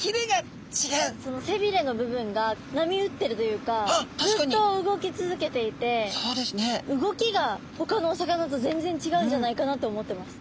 その背びれの部分が波打ってるというかずっと動き続けていて動きがほかのお魚と全然違うんじゃないかなと思ってます。